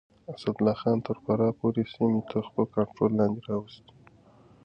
اسدالله خان تر فراه پورې سيمې تر خپل کنټرول لاندې راوستې.